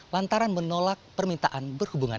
lantaran menolak permintaan berhubungan